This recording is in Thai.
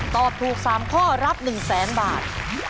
ตอบถูก๓ข้อรับ๑๐๐๐๐๐บาท